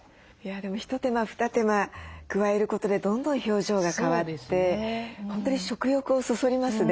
でも一手間二手間加えることでどんどん表情が変わって本当に食欲をそそりますね。